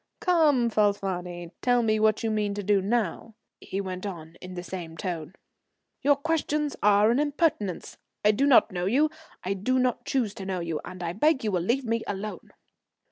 "Come, Falfani, tell me what you mean to do now," he went on in the same tone. "Your questions are an impertinence. I do not know you. I do not choose to know you, and I beg you will leave me alone."